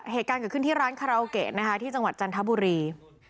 เหตุการณ์เกิดขึ้นที่ร้านคาราโอเกะนะคะที่จังหวัดจันทบุรี